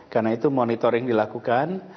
karena itu monitoring dilakukan